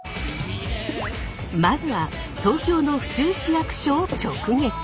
まずは東京の府中市役所を直撃！